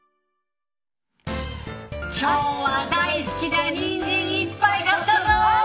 今日は大好きなニンジンいっぱい買ったぞ。